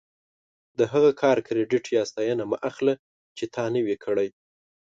د هغه کار کریډیټ یا ستاینه مه اخله چې تا نه وي کړی.